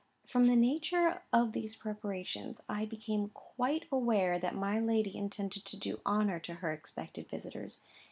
From the nature of these preparations, I became quite aware that my lady intended to do honour to her expected visitors.